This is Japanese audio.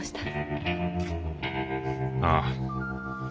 ああ。